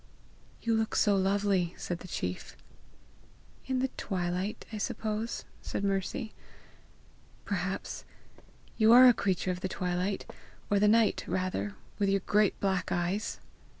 "You look so lovely!" said the chief. "In the twilight, I suppose!" said Mercy. "Perhaps; you are a creature of the twilight, or the night rather, with your great black eyes!"